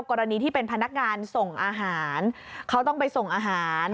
กรณีที่เป็นพนักงานส่งอาหารเขาต้องไปส่งอาหาร